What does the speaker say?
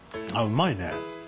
うまいね。